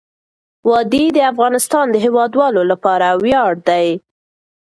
وادي د افغانستان د هیوادوالو لپاره ویاړ دی.